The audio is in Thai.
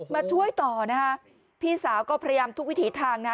มาช่วยต่อนะฮะพี่สาวก็พยายามทุกวิถีทางนะ